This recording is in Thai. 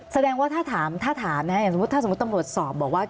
แสดงว่าถ้าถามถ้าถามนะอย่างสมมติตำรวจสอบบอกว่า